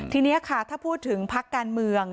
ทีนี้ค่ะถ้าพูดถึงพักการเมือง